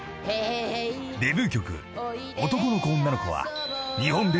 ［デビュー曲『男の子女の子』は］